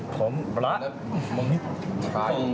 ผมรักเมืองไทย